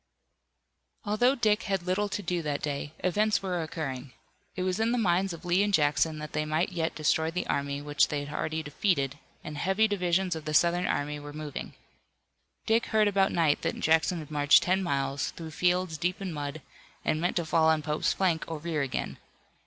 Although Dick had little to do that day, events were occurring. It was in the minds of Lee and Jackson that they might yet destroy the army which they had already defeated, and heavy divisions of the Southern army were moving. Dick heard about night that Jackson had marched ten miles, through fields deep in mud, and meant to fall on Pope's flank or rear again.